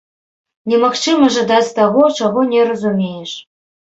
Немагчыма жадаць таго, чаго не разумееш.